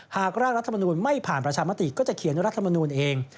หากร่างรัฐมนูลไม่ผ่านประชามติก็จะเขียนรัฐมนูลเอง